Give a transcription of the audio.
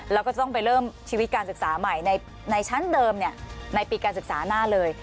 แล้วก็จะต้องไปเริ่มชีวิตการศึกษาใหม่ในชั้นเดิมในปีการศึกษาหน้าเลย